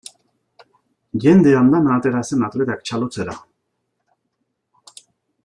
Jende andana atera zen atletak txalotzera.